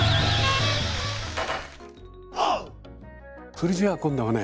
それじゃあ今度はね